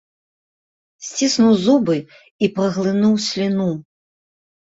Сціснуў зубы і праглынуў сліну.